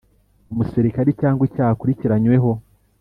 Umusirikare Cyangwa Icyaha Akurikiranyweho